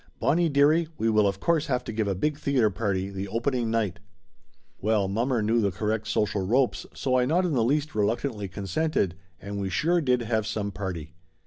"Bonnie dearie, we will of course have to give a big theater party the opening night !" Well, mommer knew the correct social ropes, so I not in the least reluctantly consented, and we sure did have some party!